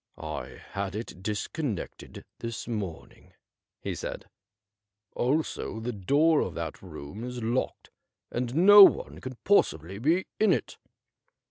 ' I had it disconnected this morn ing/ he said ;' also the door of that room is locked, and no one can pos sibly be in it.'